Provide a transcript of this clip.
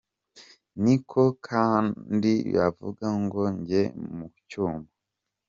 Niko ka kandi bavuga ngo ‘njye mu cyuma’.